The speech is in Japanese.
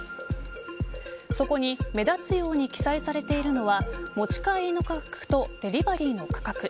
そこに目立つように記載されているのは持ち帰りの価格とデリバリーの価格。